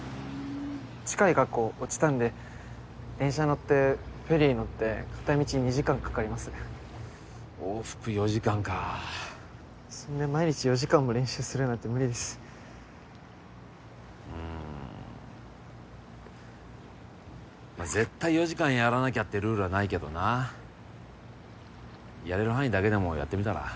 近い学校落ちたんで電車乗ってフェリー乗って片道２時間かかります往復４時間かそんで毎日４時間も練習するなんて無理ですうんまあ絶対４時間やらなきゃってルールはないけどなやれる範囲だけでもやってみたら？